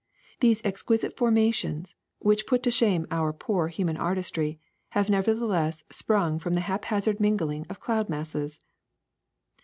These exquisite formations, which put to shame our poor human artistry, have never theless sprung from the haphazard mingling of cloud masses.